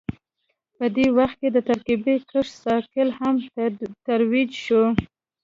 په دې وخت کې د ترکیبي کښت سایکل هم ترویج شو